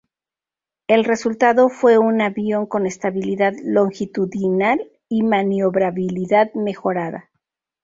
El resultado fue un avión con estabilidad longitudinal y maniobrabilidad mejorada.